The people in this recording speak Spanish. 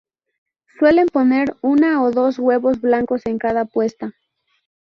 Suelen poner una o dos huevos blancos en cada puesta.